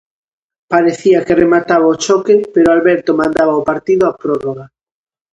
Parecía que remataba o choque pero Alberto mandaba o partido á prórroga.